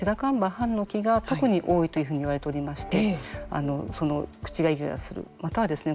ハンノキが特に多いというふうにいわれておりまして口がイガイガする、またはですね